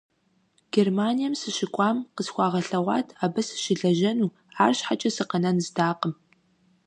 Германием сыщыкӀуам къысхуагъэлъэгъуат абы сыщылэжьэну, арщхьэкӀэ сыкъэнэн здакъым.